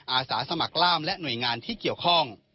อาสาสมัครล่ามและหน่วยงานที่เกี่ยวข้อง